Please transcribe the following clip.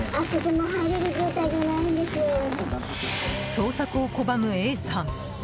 捜索を拒むＡさん。